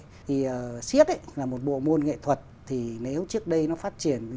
thì siết ấy là một bộ môn nghệ thuật thì nếu trước đây nó phát triển